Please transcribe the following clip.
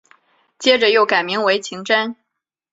接着又改名为晴贞。